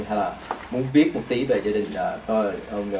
hay là muốn biết một tí về gia đình nhà tôi